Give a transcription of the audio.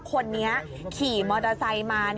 คนนี้ขี่มอเตอร์ไซค์มา